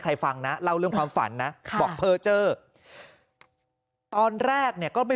ฟังนะเล่าเรื่องความฝันนะบอกเผลอเจอตอนแรกเนี่ยก็ไม่